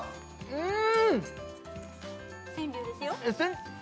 うん？